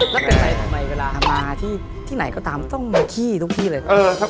แล้วเป็นอะไรเวลามาที่ไหนก็ต้องมาขี้ทุกที่เลย